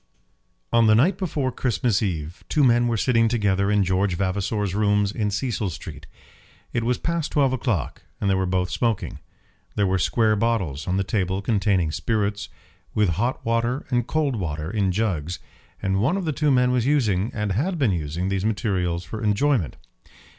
On the night before Christmas Eve two men were sitting together in George Vavasor's rooms in Cecil Street. It was past twelve o'clock, and they were both smoking; there were square bottles on the table containing spirits, with hot water and cold water in jugs, and one of the two men was using, and had been using, these materials for enjoyment.